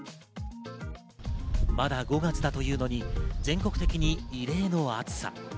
まだ５月だというのに、全国的に異例の暑さ。